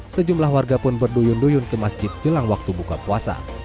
sejumlah warga pun berduyun duyun ke masjid jelang waktu buka puasa